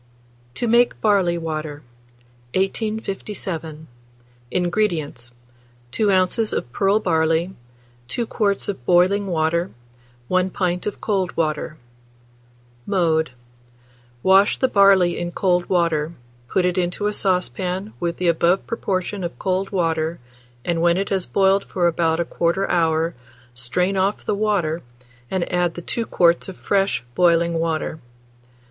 TO MAKE BARLEY WATER. 1857. INGREDIENTS. 2 oz. of pearl barley, 2 quarts of boiling water, 1 pint of cold water. Mode. Wash the barley in cold water; put it into a saucepan with the above proportion of cold water, and when it has boiled for about 1/4 hour, strain off the water, and add the 2 quarts of fresh boiling water.